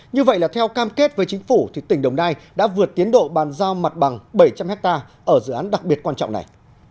như vậy là theo cam kết với chính phủ thì tỉnh đồng nai đã vượt tiến độ bàn giao mặt bằng bảy trăm linh ha ở dự án đặc biệt quan trọng này